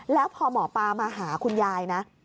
แล้วพอหมอปลามาหาคุณยายนะ